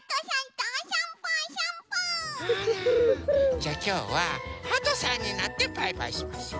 じゃあきょうははとさんになってバイバイしましょう。